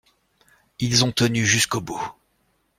Ils ont tenu jusqu’au bout.